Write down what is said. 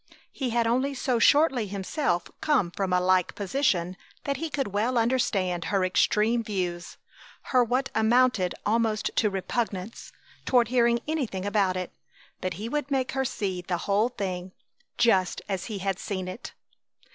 He had only so shortly himself come from a like position that he could well understand her extreme views; her what amounted almost to repugnance, toward hearing anything about it. But he would make her see the whole thing, just as he had seen it.